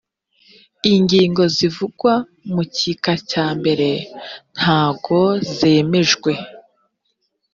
ingingo zivugwa mu gika cya mbere ntago zemejwe